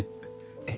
えっ。